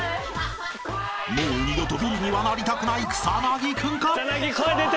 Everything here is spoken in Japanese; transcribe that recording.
［もう二度とビリにはなりたくない草薙君か？］